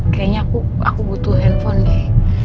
kayaknya aku butuh handphone deh